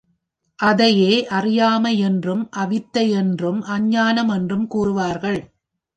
அதையே அறியாமை என்றும் அவித்தை என்றும் அஞ்ஞானம் என்றும் கூறுவாாகள.